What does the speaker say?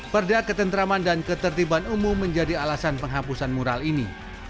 perda ketentraman dan ketertiban umum menjadi alasan penghapusan mural ini